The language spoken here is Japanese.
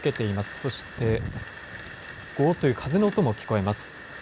そしてゴーッという風の音も聞こえます。